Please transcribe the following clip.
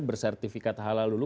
bersertifikat halal dulu